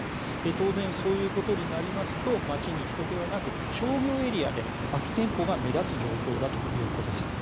当然、そういうことになりますと街にひとけはなく商業エリアで空き店舗が目立つ状況だということです。